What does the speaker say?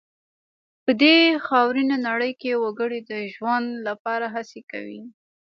په دې خاورینه نړۍ کې وګړي د ژوند لپاره هڅې کوي.